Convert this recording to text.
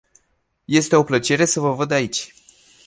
Este o plăcere să vă văd aici.